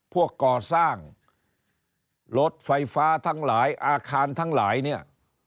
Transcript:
ก่อสร้างรถไฟฟ้าทั้งหลายอาคารทั้งหลายเนี่ย